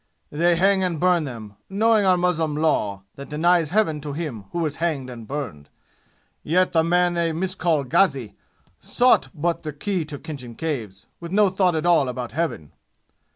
They hang and burn them, knowing our Muslim law, that denies Heaven to him who is hanged and burned. Yet the man they miscall ghazi sought but the key to Khinjan Caves, with no thought at all about Heaven!